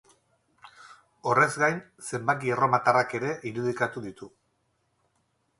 Horrez gain, zenbaki erromatarrak ere irudikatu ditu.